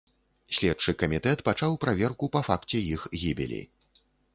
Следчы камітэт пачаў праверку па факце іх гібелі.